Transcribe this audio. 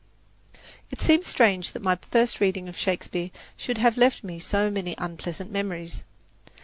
It seems strange that my first reading of Shakespeare should have left me so many unpleasant memories.